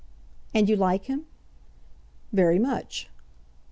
"And you like him?" "Very much."